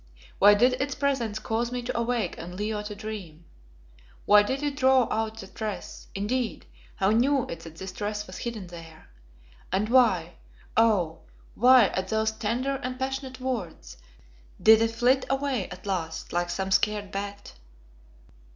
Why did its presence cause me to awake and Leo to dream? Why did it draw out the tress; indeed, how knew it that this tress was hidden there? And why oh! why, at those tender and passionate words did it flit away at last like some scared bat?